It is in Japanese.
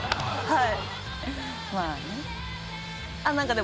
はい。